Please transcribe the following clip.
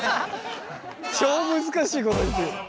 超難しいこと言ってる。